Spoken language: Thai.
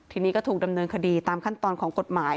ทีนี้ก็ถูกดำเนินคดีตามขั้นตอนของกฎหมาย